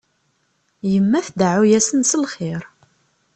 Yemma tdeɛɛu-asen s lxir.